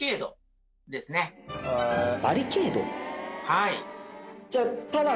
はい。